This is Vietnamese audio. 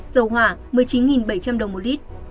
dầu hỏa một mươi chín bảy trăm linh đồng một lít